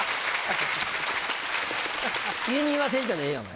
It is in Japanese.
急に言わせんじゃねえよお前。